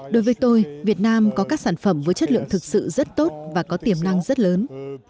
đối với tôi việt nam có các sản phẩm với chất lượng thực sự rất tốt và có tiềm năng rất lớn